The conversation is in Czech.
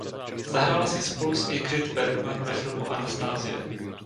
Zahrála si spolu s Ingrid Bergman ve filmu "Anastázie".